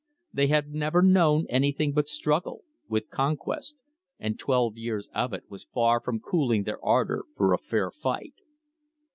They had never known anything but struggle — with conquest — and twelve years of it was far from cooling their ardour for a fair fight.